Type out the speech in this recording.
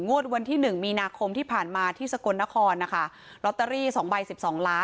วันที่หนึ่งมีนาคมที่ผ่านมาที่สกลนครนะคะลอตเตอรี่สองใบสิบสองล้าน